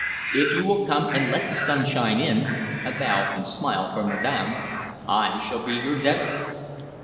If you will come and let the sunshine in," a bow and smile for madam, "I shall be your debtor."